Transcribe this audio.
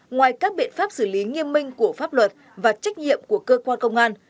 ngoài các biện pháp xử lý nghiêm minh của pháp luật và trách nhiệm của cơ quan công an